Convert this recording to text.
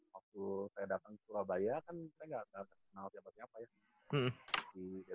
waktu saya datang ke surabaya kan saya nggak kenal siapa siapa ya